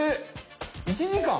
１時間？